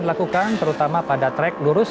dilakukan terutama pada track lurus